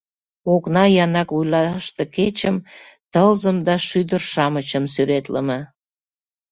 Окна янак вуйлаште кечым, тылзым да шӱдыр-шамычым сӱретлыме.